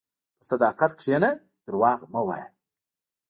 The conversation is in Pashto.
په صداقت کښېنه، دروغ مه وایې.